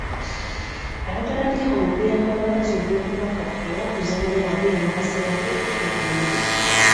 Ayagala nnyo omupiira gw'abakazi ogw'okubaka era aguzannya bw'abeera mu kaseera ke ek'eddembe